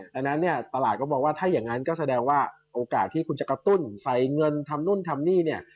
ดังนั้นเนี่ยตลาดก็มองว่าถ้าอย่างนั้นก็แสดงว่าโอกาสที่คุณจะกระตุ้นใส่เงินทำนู่นทำนี่เนี่ย